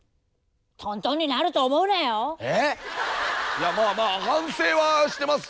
いやまあまあ反省はしてます